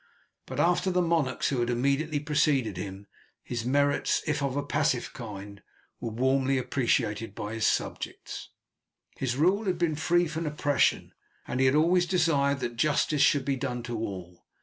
But after the monarchs who had immediately preceded him, his merits, if of a passive kind, were warmly appreciated by his subjects. His rule had been free from oppression, and he had always desired that justice should be done to all.